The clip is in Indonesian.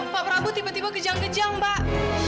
pak prabu tiba tiba kejang kejang mbak